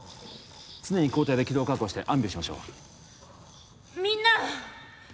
常に交代で気道確保してアンビューしましょうみんな！